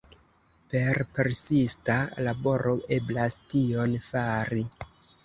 Per persista laboro eblas tion fari.